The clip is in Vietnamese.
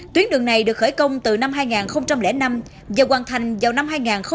tuyến đường này được khởi công từ năm hai nghìn năm và hoàn thành vào năm hai nghìn một mươi